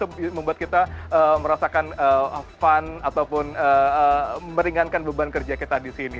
itu membuat kita merasakan fun ataupun meringankan beban kerja kita di sini